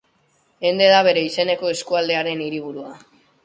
Ende da bere izeneko eskualdearen hiriburua.